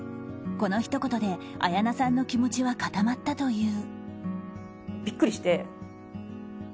このひと言で綾菜さんの気持ちは固まったという。